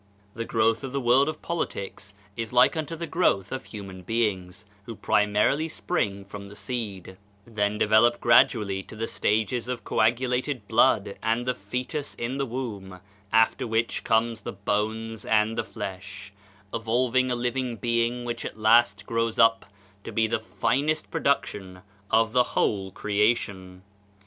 The growth of the world of politics is like unto the growth of human beings, who primarily spring from the seed, then develop gradually to the stages of coagulated blood and the foetus in the womb, after which come the bones and the flesh, evolving a living being which at last grows up to be the finest production of the whole creation.